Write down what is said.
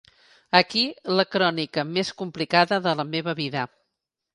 Aquí la crònica més complicada de la meva vida.